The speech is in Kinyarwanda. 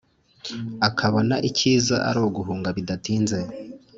akabona icyiza aruguhunga bidatinze